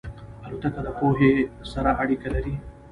الوتکه د پوهې سره اړیکه لري.